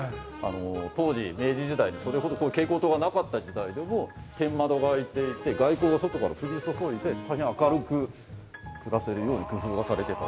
当時明治時代それほど蛍光灯がなかった時代でも天窓が開いていて外光が外から降り注いでたいへん明るく暮らせるように工夫がされてた。